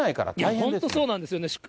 本当、そうなんですよね。